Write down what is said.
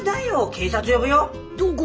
警察呼ぶよ！